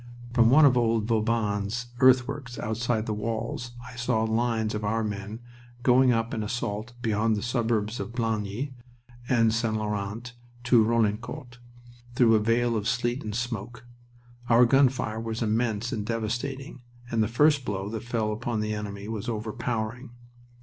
From one of old Vauban's earthworks outside the walls I saw lines of our men going up in assault beyond the suburbs of Blangy and St. Laurent to Roclincourt, through a veil of sleet and smoke. Our gun fire was immense and devastating, and the first blow that fell upon the enemy was overpowering.